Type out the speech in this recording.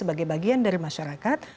sebagai bagian dari masyarakat